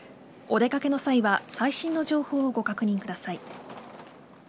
お出掛けの際は最新の情報をご確認ください。